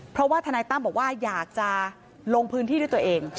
เพราะว่าทนายตั้มบอกว่าอยากจะลงพื้นที่ด้วยตัวเอง